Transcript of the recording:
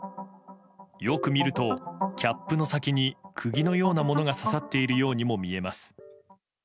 よく見ると、キャップの先に釘のようなものが刺さっているようにも見えます。